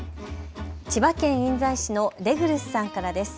千葉県印西市のレグルスさんからです。